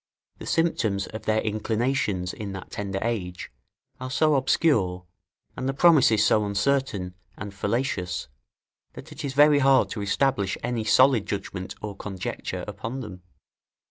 The symptoms of their inclinations in that tender age are so obscure, and the promises so uncertain and fallacious, that it is very hard to establish any solid judgment or conjecture upon them.